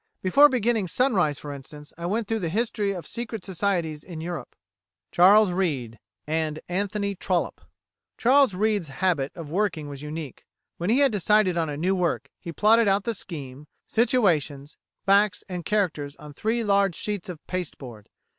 Before beginning 'Sunrise,' for instance, I went through the history of secret societies in Europe." Charles Reade and Anthony Trollope "Charles Reade's habit of working was unique. When he had decided on a new work, he plotted out the scheme, situations, facts, and characters on three large sheets of pasteboard.